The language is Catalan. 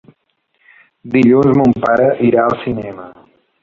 Dilluns mon pare irà al cinema.